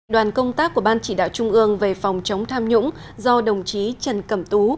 đoàn công tác của ban chỉ đạo trung ương về phòng chống tham nhũng do đồng chí trần cẩm tú